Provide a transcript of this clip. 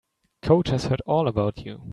Coach has heard all about you.